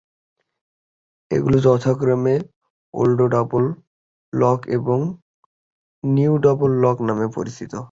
এগুলো যথাক্রমে old double lock এবং নিউ ডাবল লক নামে পরিচিত।